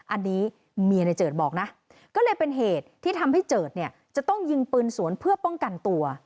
อันนี้เมียในเจิดบอกนะก็เลยเป็นเหตุที่ทำให้เจิดเนี่ยจะต้องยิงปืนสวนเพื่อป้องกันตัว